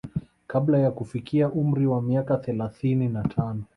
Kabla ya kufikia umri wa miaka thelathini na tano